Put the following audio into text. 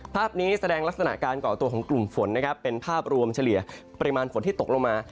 ภาพนี้แสดงลักษณะการก่อตัวของกลุ่มฝนนะครับเป็นภาพรวมเฉลี่ยปริมาณฝนที่ตกลงมา